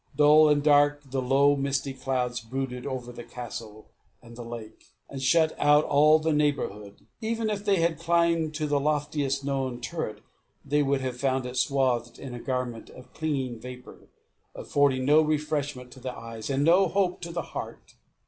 Dull and dark the low misty clouds brooded over the castle and the lake, and shut out all the neighbourhood. Even if they had climbed to the loftiest known turret, they would have found it swathed in a garment of clinging vapour, affording no refreshment to the eye, and no hope to the heart.